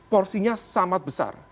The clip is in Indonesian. porsinya sangat besar